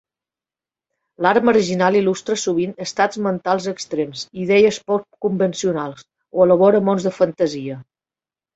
L'art marginal il·lustra sovint estats mentals extrems i idees poc convencionals, o elabora mons de fantasia.